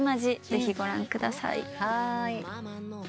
ぜひご覧ください。